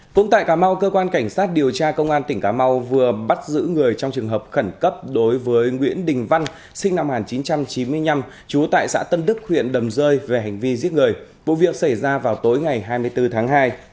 cũng tại cà mau cơ quan cảnh sát điều tra công an tỉnh cà mau vừa bắt giữ người trong trường hợp khẩn cấp đối với nguyễn đình văn sinh năm một nghìn chín trăm chín mươi năm trú tại xã tân đức huyện đầm rơi về hành vi giết người vụ việc xảy ra vào tối ngày hai mươi bốn tháng hai